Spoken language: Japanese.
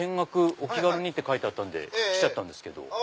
お気軽に！って書いてあったんで来たんです。